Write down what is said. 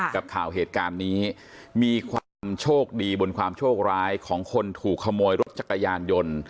กับข่าวเหตุการณ์นี้มีความโชคดีบนความโชคร้ายของคนถูกขโมยรถจักรยานยนต์